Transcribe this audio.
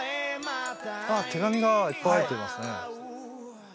あ手紙がいっぱい入ってますね